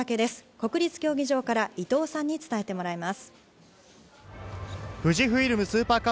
国立競技場から伊藤さんに伝えてもらいます。